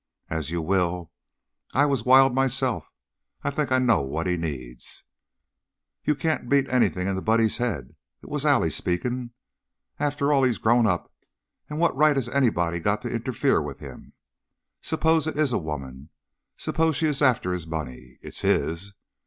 "As you will. I was wild, myself; I think I know what he needs." "You can't beat anything into Buddy's head." It was Allie speaking. "After all, he's grown up, and what right has anybody got to interfere with him? S'pose it is a woman? S'pose she is after his money? It's his.